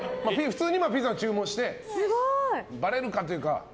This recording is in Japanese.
普通に今ピザの注文をしてばれるかというか。